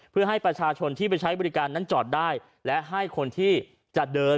เพื่อให้ประชาชนที่ไปใช้บริการนั้นจอดได้และให้คนที่จะเดิน